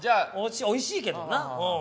おいしいけどなうん。